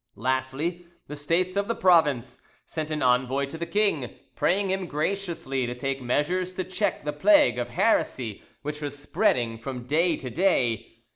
Lastly, the States of the province sent an envoy to the king, praying him graciously to take measures to check the plague of heresy which was spreading from day to day.